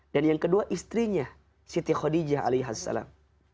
dan yang kedua istrinya siti khadijah alaihassalam